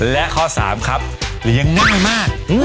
และข้อ๓ครับเลี้ยงง่ายมาก